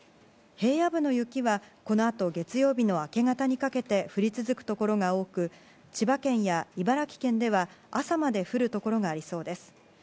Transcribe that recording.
平野部の雪はこのあと月曜日の明け方にかけて降り続くところが多く千葉県や茨城県では朝まで降るところがありそうです。